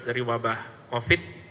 dari wabah covid